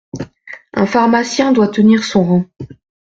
… un pharmacien doit tenir son rang …